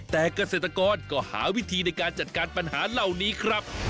แต่เกษตรกรก็หาวิธีในการจัดการปัญหาเหล่านี้ครับ